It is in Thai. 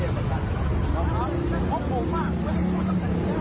ว่าไม่ได้คนเลยไม่ได้คนเลยแต่ต่อมาไม่เป็นไรไม่พูดเลยพูด